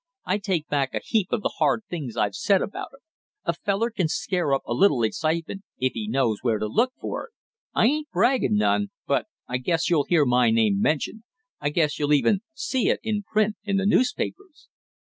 I take back a heap of the hard things I've said about it; a feller can scare up a little excitement if he knows where to look for it. I ain't bragging none, but I guess you'll hear my name mentioned I guess you'll even see it in print in the newspapers!"